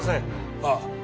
ああ。